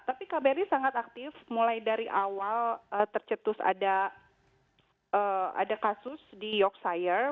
tapi kbri sangat aktif mulai dari awal tercetus ada kasus di yorkshire